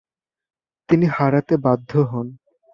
তিনি হারাতে বাধ্য হন।